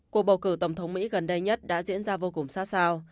cuộc bầu cử tổng thống mỹ gần đây nhất đã diễn ra vô cùng xa xao